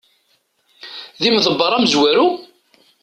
D imeḍebber amezwaru?